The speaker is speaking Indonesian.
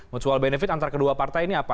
mutual benefit antara kedua partai ini apa